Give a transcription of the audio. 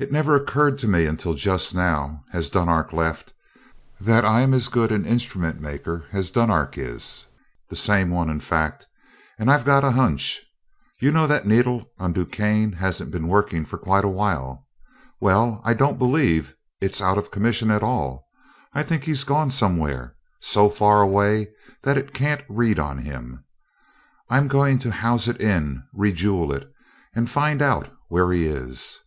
It never occurred to me until just now, as Dunark left, that I'm as good an instrument maker as Dunark is the same one, in fact and I've got a hunch. You know that needle on DuQuesne hasn't been working for quite a while? Well, I don't believe it's out of commission at all. I think he's gone somewhere, so far away that it can't read on him. I'm going to house it in, re jewel it, and find out where he is."